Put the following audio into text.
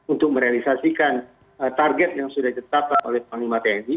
untuk merealisasikan target yang sudah ditetapkan oleh panglima tni